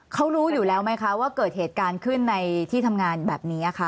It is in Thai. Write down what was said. เขารู้อยู่แล้วไหมคะว่าเกิดเหตุการณ์ขึ้นในที่ทำงานแบบนี้ค่ะ